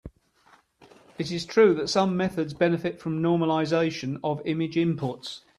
It is true that some methods benefit from normalization of image inputs.